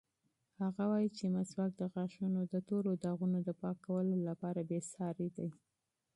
هغه وایي چې مسواک د غاښونو د تورو داغونو د پاکولو لپاره بېساری دی.